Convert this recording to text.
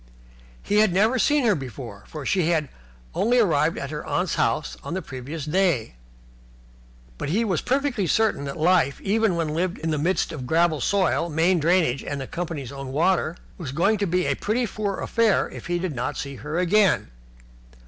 He had never seen her before, for she had only arrived at her aunt's house on the previous day, but he was perfectly certain that life, even when lived in the midst of gravel soil, main drainage, and company's own water, was going to be a pretty poor affair if he did not see her again.